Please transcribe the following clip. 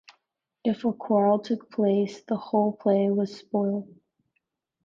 If a quarrel took place, the whole play was spoilt.